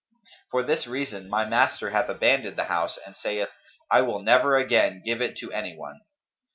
For this reason my master hath abandoned the house and saith: 'I will never again give it to any one.'